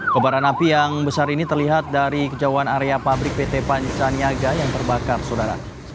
kebaran api yang besar ini terlihat dari kejauhan area pabrik pt panca niaga yang terbakar saudara